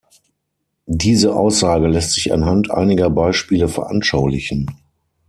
Diese Aussage lässt sich anhand einiger Beispiele veranschaulichen.